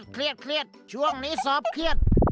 เครียดช่วงนี้สอบเครียด